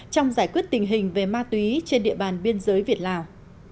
trong giải quyết tình hình về ma túy trên địa bàn biên giới việt lào